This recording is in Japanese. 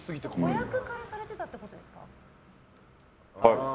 子役からされてたってことですか？